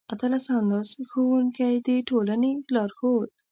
اتلسم لوست: ښوونکی د ټولنې لارښود